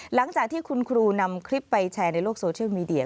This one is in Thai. หลังจากที่คุณครูนำคลิปไปแชร์ในโลกโซเชียลมีเดีย